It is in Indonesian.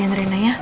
jangan rena ya